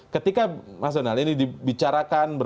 ketika mas donald ini dibicarakan